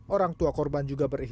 orang tua korban juga beriba